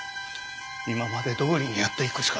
今までどおりにやっていくしか。